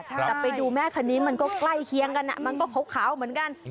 แต่ไปดูแม่คันนี้มันก็ใกล้เคียงกันมันก็ขาวเหมือนกัน